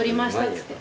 つって。